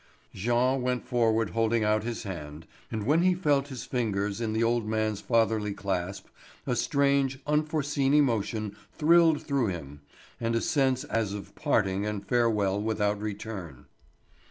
Jean went forward holding out his hand, and when he felt his fingers in the old man's fatherly clasp, a strange, unforeseen emotion thrilled through him, and a sense as of parting and farewell without return.